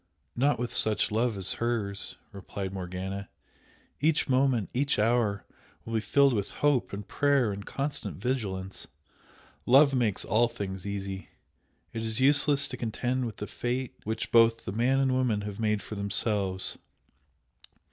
"Not with such love as hers!" replied Morgana. "Each moment, each hour will be filled with hope and prayer and constant vigilance. Love makes all things easy! It is useless to contend with a fate which both the man and woman have made for themselves.